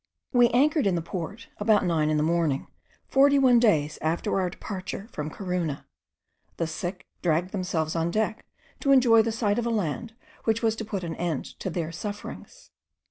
We anchored in the port about nine in the morning, forty one days after our departure from Corunna; the sick dragged themselves on deck to enjoy the sight of a land which was to put an end to their sufferings.